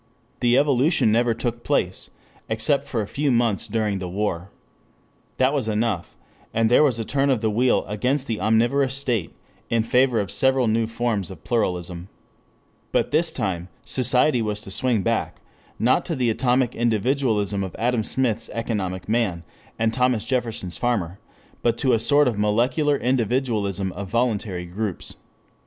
The evolution never took place, except for a few months during the war. That was enough, and there was a turn of the wheel against the omnivorous state in favor of several new forms of pluralism. But this time society was to swing back not to the atomic individualism of Adam Smith's economic man and Thomas Jefferson's farmer, but to a sort of molecular individualism of voluntary groups.